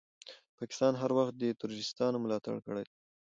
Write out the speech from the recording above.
پاکستان هر وخت دي تروريستانو ملاتړ کړی ده.